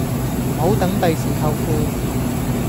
唔好等第時後悔